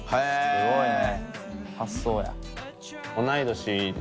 すごいね。